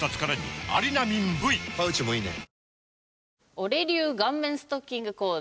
俺流顔面ストッキングコーデ。